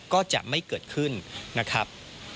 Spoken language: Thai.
ก็จะไม่เกิดขึ้นนะครับ